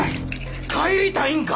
帰りたいんか！？